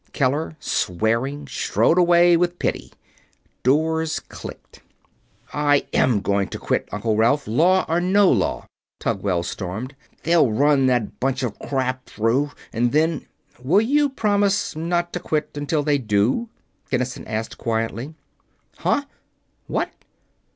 Keller, swearing, strode away with Piddy. Doors clicked shut. "I am going to quit, Uncle Ralph, law or no law!" Tugwell stormed. "They'll run that bunch of crap through, and then...." "Will you promise not to quit until they do?" Kinnison asked, quietly. "Huh?" "What?"